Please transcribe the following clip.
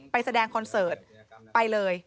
แสดงคอนเสิร์ตไปเลย